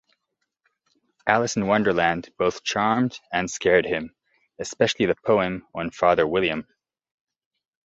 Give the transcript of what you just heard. Alice in Wonderland both charmed and scared him, especially the poem on Father William.